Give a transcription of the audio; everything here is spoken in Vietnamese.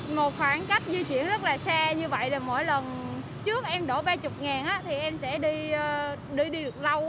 một khoảng cách di chuyển rất là xa như vậy là mỗi lần trước em đổ ba mươi ngày thì em sẽ đi được lâu